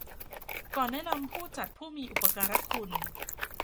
ก่อนแนะนำผู้จัดผู้มีอุปการคุณ